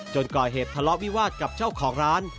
ก่อเหตุทะเลาะวิวาสกับเจ้าของร้าน